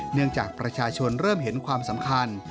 เนื่องจากประชาชนเริ่มเห็นความสำคัญ